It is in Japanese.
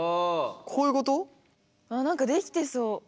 何かできてそう。